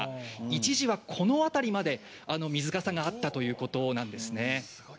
一時はこのあたりまで水かさがあったということなんですね。